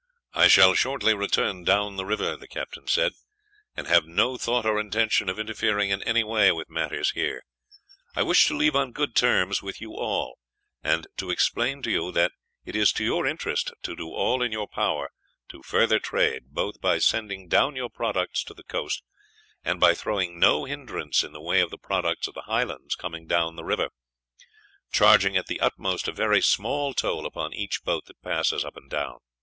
"I shall shortly return down the river," he said, "and have no thought or intention of interfering in any way with matters here. I wish to leave on good terms with you all, and to explain to you that it is to your interest to do all in your power to further trade, both by sending down your products to the coast, and by throwing no hindrance in the way of the products of the highlands coming down the river, charging, at the utmost, a very small toll upon each boat that passes up and down.